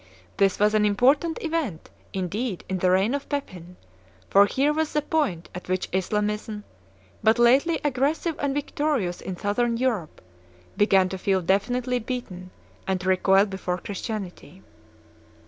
This was an important event indeed in the reign of Pepin, for here was the point at which Islamism, but lately aggressive and victorious in Southern Europe, began to feel definitively beaten and to recoil before Christianity.